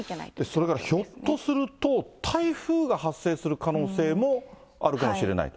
それからひょっとすると、台風が発生する可能性もあるかもしれない。